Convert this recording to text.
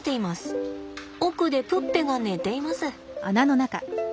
奥でプッペが寝ています。